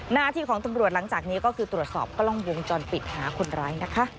หน้าที่ของตำรวจหลังจากนี้ก็คือตรวจสอบกล้องวงจรปิดหาคนร้ายนะคะ